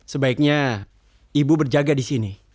sebaiknya ibu berjaga di sini